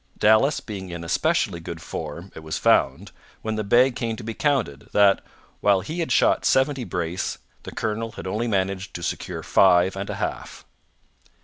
Dallas being in especially good form, it was found, when the bag came to be counted, that, while he had shot seventy brace, the colonel had only managed to secure five and a half!